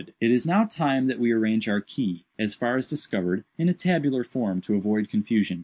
"It is now time that we arrange our key, as far as discovered, in a tabular form, to avoid confusion.